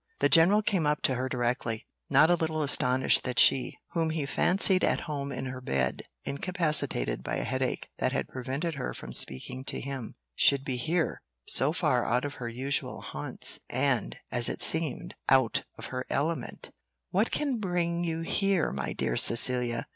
The general came up to her directly, not a little astonished that she, whom he fancied at home in her bed, incapacitated by a headache that had prevented her from speaking to him, should be here, so far out of her usual haunts, and, as it seemed, out of her element "What can bring you here, my dear Cecilia?"